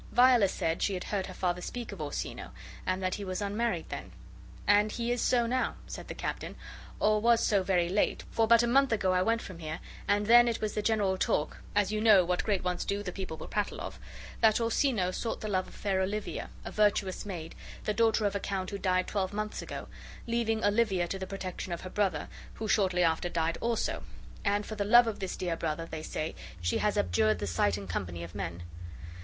Viola said, she had heard her father speak of Orsino, and that he was unmarried then. "And he is so now," said the captain; "or was so very late for, but a month ago, I went from here, and then it was the general talk (as you know what great ones do, the people will prattle of) that Orsino sought the love of fair Olivia, a virtuous maid, the daughter of a count who died twelve months ago, leaving Olivia to the protection of her brother, who shortly after died also; and for the love of this dear brother, they say, she has abjured the sight and company of men."